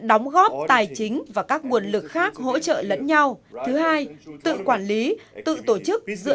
đóng góp tài chính và các nguồn lực khác hỗ trợ lẫn nhau thứ hai tự quản lý tự tổ chức dựa